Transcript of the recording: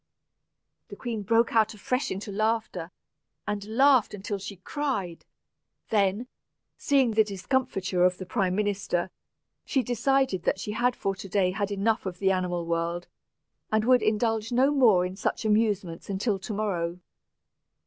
The queen broke out afresh into laughter, and laughed until she cried. Then, seeing the discomfiture of the prime minister, she decided that she had for to day had enough of the animal world, and would indulge no more in such amusements until to morrow.